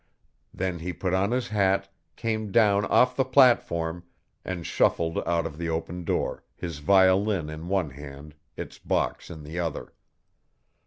Then he put on his hat, came down off the platform, and shuffled out of the open door, his violin in one hand, its box in the other.